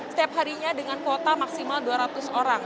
setiap harinya dengan kuota maksimal dua ratus orang